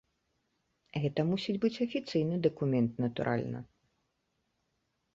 Гэта мусіць быць афіцыйны дакумент, натуральна.